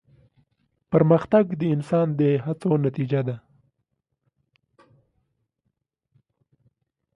پرمختګ د انسان د هڅو نتیجه ده.